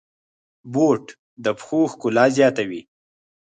بوټ د پښو ښکلا زیاتوي.